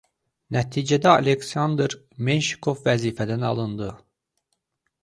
Nəticədə Aleksandr Menşikov vəzifədən alındı.